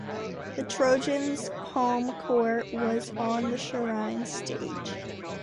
The Trojans' home court was on the Shrine's stage.